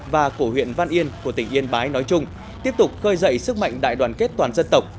và của huyện văn yên của tỉnh yên bái nói chung tiếp tục khơi dậy sức mạnh đại đoàn kết toàn dân tộc